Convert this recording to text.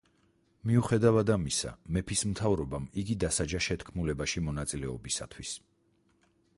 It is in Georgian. მიუხედავად ამისა, მეფის მთავრობამ იგი დასაჯა შეთქმულებაში მონაწილეობისათვის.